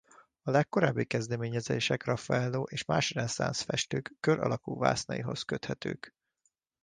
A legkorábbi kezdeményezések Raffaello és más reneszánsz festők kör alakú vásznaihoz köthetők.